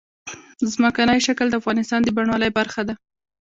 ځمکنی شکل د افغانستان د بڼوالۍ برخه ده.